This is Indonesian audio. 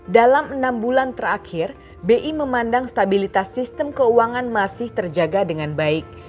dalam enam bulan terakhir bi memandang stabilitas sistem keuangan masih terjaga dengan baik